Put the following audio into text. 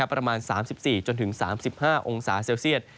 ประมาณ๓๔๓๕องศาเซลเซียต